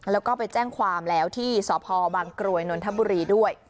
แล้วก็ไปแจ้งความแล้วที่สพบางกรวยนนทบุรีด้วย